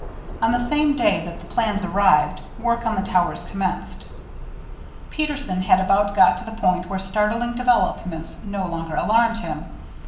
On the same day that the plans arrived, work on the tower commenced. Peterson had about got to the point where startling developments no longer alarmed him.